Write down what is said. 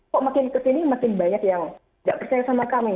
kok makin ke sini makin banyak yang gak percaya sama kami